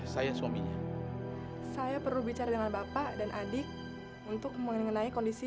saya suaminya saya perlu bicara dengan bapak dan adik untuk mengenai kondisi